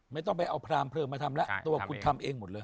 ไม่ต้องไปเอาพรามเพลิงมาทำแล้วตัวคุณทำเองหมดเลย